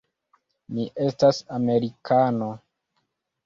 Mi estas amerikano.